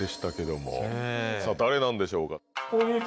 さぁ誰なんでしょうか？